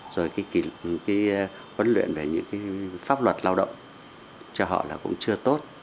rồi cái huấn luyện về những cái pháp luật lao động cho họ là cũng chưa tốt